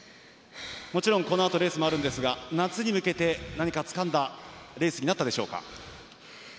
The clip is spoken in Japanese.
もちろん、このあとレースもあるんですが夏に向けて何かつかんだレースになったでしょうか？